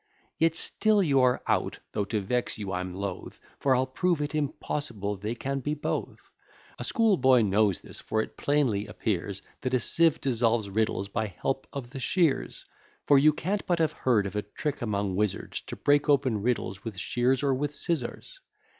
Yet still you are out, (though to vex you I'm loth,) For I'll prove it impossible they can be both; A school boy knows this, for it plainly appears That a sieve dissolves riddles by help of the shears; For you can't but have heard of a trick among wizards, To break open riddles with shears or with scissars.